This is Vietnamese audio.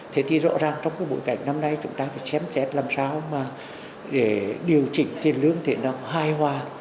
thế thì rõ ràng trong bối cảnh năm nay chúng ta phải xem xét làm sao để điều chỉnh tiền lương thể năng hai hoa